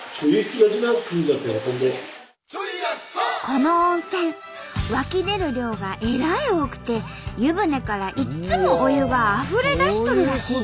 この温泉湧き出る量がえらい多くて湯船からいっつもお湯があふれ出しとるらしい。